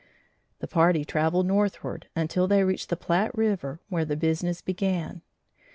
The party travelled northward until they reached the Platte River where the business began.